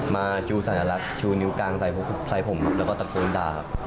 มาชูสัญลักษณ์ชูนิ้วกลางใส่ผมแล้วก็ตะโกนด่าครับ